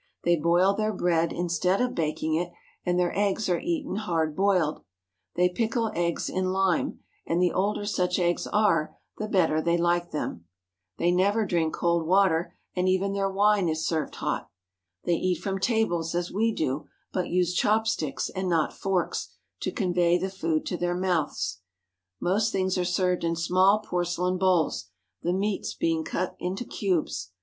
They boil their bread in stead of baking it, and their eggs are eaten hard boiled. They pickle eggs in lime, and the older such eggs are, the better they like them. They never drink cold water and even their wine is served hot. They eat from tables as we do ; but use chopsticks, and not forks, to convey the food to their mouths: Most things are served in small porcelain bowls, the meats being cuts into cubes.